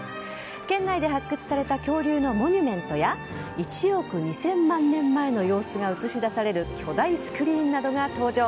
県内で発掘された恐竜のモニュメントや１億２０００万年前の様子が映し出される巨大スクリーンなどが登場。